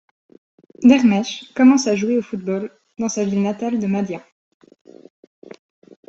Dermech commence à jouer au football dans sa ville natale de Mahdia.